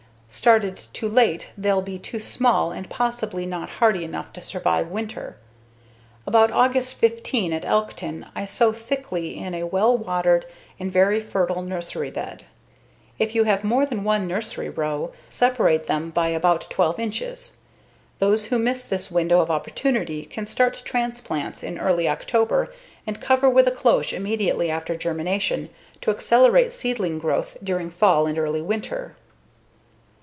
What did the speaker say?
Started too late they'll be too small and possibly not hardy enough to survive winter. About August 15 at Elkton I sow thickly in a well watered and very fertile nursery bed. If you have more than one nursery row, separate them about by 12 inches. Those who miss this window of opportunity can start transplants in early October and cover with a cloche immediately after germination, to accelerate seedling growth during fall and early winter.